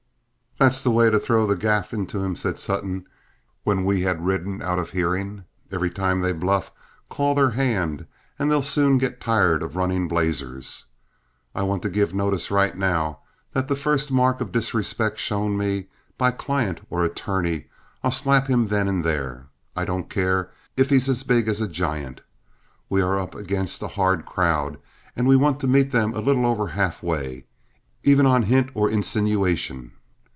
"That's the way to throw the gaff into them," said Sutton, when we had ridden out of hearing. "Every time they bluff, call their hand, and they'll soon get tired running blazers. I want to give notice right now that the first mark of disrespect shown me, by client or attorney, I'll slap him then and there, I don't care if he is as big as a giant. We are up against a hard crowd, and we want to meet them a little over halfway, even on a hint or insinuation.